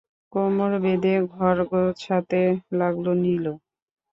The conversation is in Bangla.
কোমর বেঁধে ঘর গোছাতে লাগল নীলু।